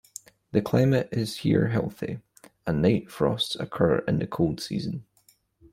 The climate is here healthy, and night frosts occur in the cold season.